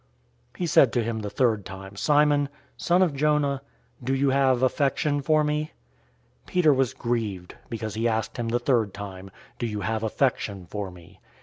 021:017 He said to him the third time, "Simon, son of Jonah, do you have affection for me?" Peter was grieved because he asked him the third time, "Do you have affection for me?"